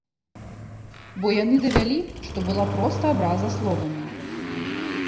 Бо яны давялі, што была проста абраза словамі.